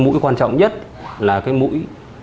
mũi quan trọng nhất là cái mũi